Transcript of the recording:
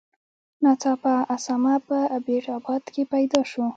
ناڅاپه اسامه په ایبټ آباد کې پیدا شو.